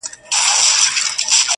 o گيدړي ته خپل پوست بلا دئ!